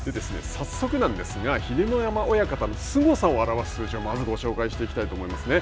早速なんですが秀ノ山親方のすごさを表す数字をまずご紹介していきますね。